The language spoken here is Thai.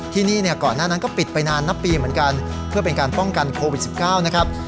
ที่นี่เนี่ยก่อนหน้านั้นก็ปิดไปนานนับปีเหมือนกันเพื่อเป็นการป้องกันโควิด๑๙นะครับ